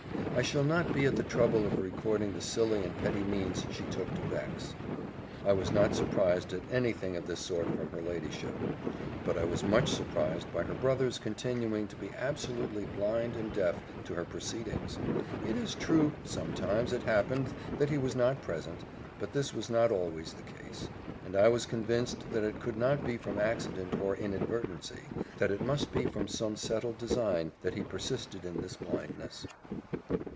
I shall not be at the trouble of recording the silly and petty means she took to vex. I was not surprised at any thing of this sort from her ladyship; but I was much surprised by her brother's continuing to be absolutely blind and deaf to her proceedings. It is true, sometimes it happened that he was not present, but this was not always the case; and I was convinced that it could not be from accident or inadvertency, that it must be from settled design, that he persisted in this blindness.